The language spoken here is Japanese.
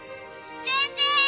先生！